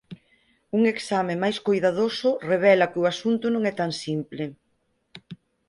Un exame máis coidadoso revela que o asunto non é tan simple.